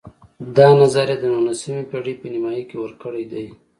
دا نظر یې د نولسمې پېړۍ په نیمایي کې ورکړی دی.